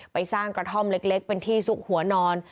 ไปสร้างกระท่อมเล็กเป็นที่ซุกหัวนอน